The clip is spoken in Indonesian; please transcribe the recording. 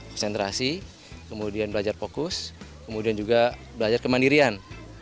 konsentrasi kemudian belajar fokus kemudian juga belajar kemandirian